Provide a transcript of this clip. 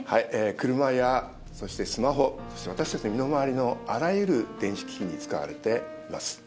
車やそしてスマホそして私たちの身の回りのあらゆる電子機器に使われています。